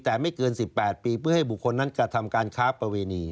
แต่ไม่เกิน๑๘ปีเพื่อให้บุคคลนั้นกระทำการค้าประเวณี